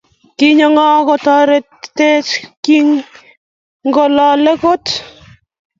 Kinyo ng'o kotoretech kikolale kot